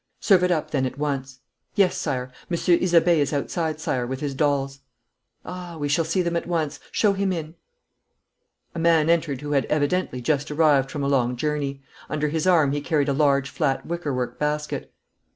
'Serve it up then at once.' 'Yes, Sire. Monsieur Isabey is outside, Sire, with his dolls.' 'Ah, we shall see them at once. Show him in.' A man entered who had evidently just arrived from a long journey. Under his arm he carried a large flat wickerwork basket.